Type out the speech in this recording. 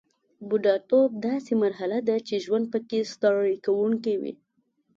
بوډاتوب داسې مرحله ده چې ژوند پکې ستړي کوونکی وي